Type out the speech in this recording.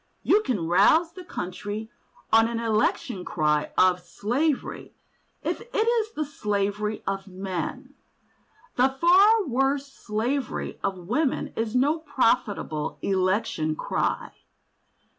You can rouse the country on an election cry of "slavery," if it is the slavery of men. The far worse slavery of women is no profitable election cry.